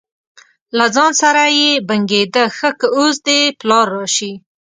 له ځانه سره یې بنګېده: ښه که اوس دې پلار راشي.